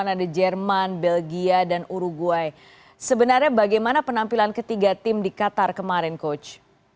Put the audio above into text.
ada jerman belgia dan uruguay sebenarnya bagaimana penampilan ketiga tim di qatar kemarin coach